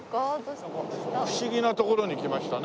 不思議な所に来ましたね。